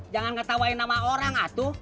jangan ketawain nama orang atu